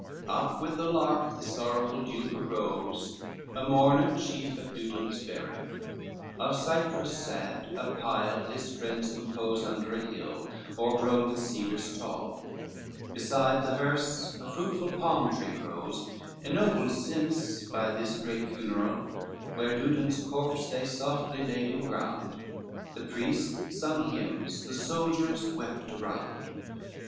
LXXII Up with the lark the sorrowful duke arose, A mourner chief at Dudon's burial, Of cypress sad a pile his friends compose Under a hill o'ergrown with cedars tall, Beside the hearse a fruitful palm tree grows, Ennobled since by this great funeral, Where Dudon's corpse they softly laid in ground, The priest sung hymns, the soldiers wept around.